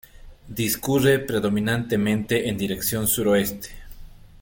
Discurre predominantemente en dirección suroeste.